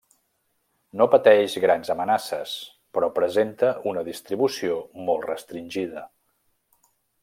No pateix grans amenaces, però presenta una distribució molt restringida.